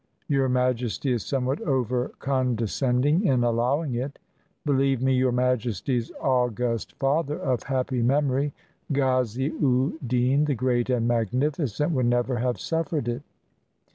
Your Majesty is somewhat over condescending in allowing it. Believe me. Your Majesty's august father, of happy memory, Ghazi u deen, the great and magnificent, would never have suf fered it."